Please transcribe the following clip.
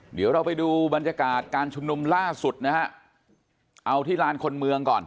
เดี๋ยวเราไปดูบรรยากาศการชุมนุมล่าสุดนะฮะเอาที่ลานคนเมืองก่อน